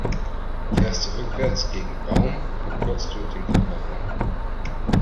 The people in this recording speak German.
Fährste rückwärts gegen Baum, verkürzt du den Kofferraum.